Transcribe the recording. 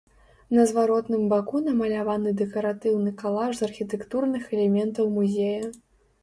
На зваротным баку намаляваны дэкаратыўны калаж з архітэктурных элементаў музея.